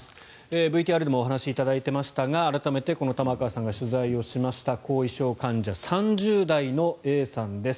ＶＴＲでもお話しいただいていましたが玉川さんが取材をしました後遺症患者３０代のＡさんです。